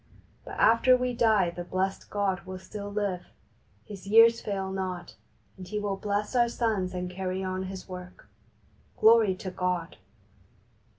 But after we die the blessed God will still live. His years fail not, and He will bless our sons and carry on His Work. Glory to God